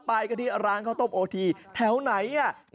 ไปกันที่ร้านข้าวต้มโอทีแถวไหน